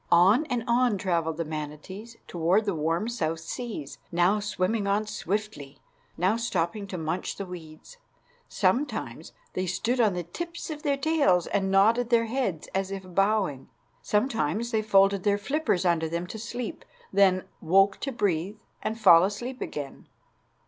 On and on travelled the manatees toward the warm south seas, now swimming on swiftly, now stopping to munch the weeds. Sometimes they stood on the tips of their tails and nodded their heads as if bowing. Sometimes they folded their flippers under them to sleep, then woke to breathe, and fall asleep again.